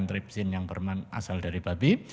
dan tripsin yang berasal dari babi